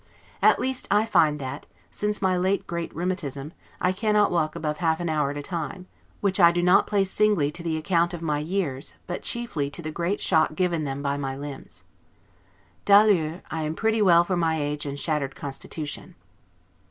At least I find that, since my late great rheumatism, I cannot walk above half an hour at a time, which I do not place singly to the account of my years, but chiefly to the great shock given then to my limbs. 'D'ailleurs' I am pretty well for my age and shattered constitution.